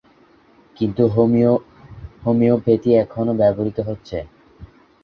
কিন্তু হোমিওপ্যাথি এখনো ব্যবহৃত হচ্ছে।